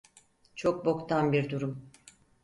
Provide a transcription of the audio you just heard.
Çok boktan bir durum.